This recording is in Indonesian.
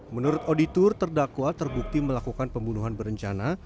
menurut auditor terdakwa terbukti melakukan pembunuhan berencana